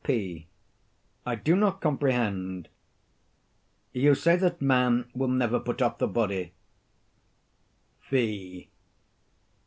P. I do not comprehend. You say that man will never put off the body?